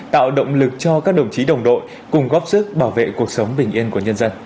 tạo động lực cho các đồng chí đồng đội cùng góp sức bảo vệ cuộc sống bình yên của nhân dân